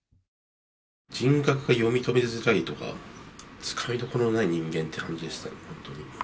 人格が読み取りづらいとか、つかみどころがない人間という感じでした、本当に。